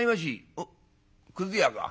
「おっくず屋か。